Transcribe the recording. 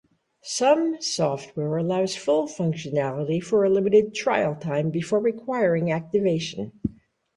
Some software allows full functionality for a limited "trial" time before requiring activation.